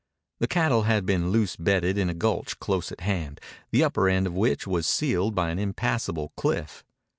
The cattle had been loose bedded in a gulch close at hand, the upper end of which was sealed by an impassable cliff.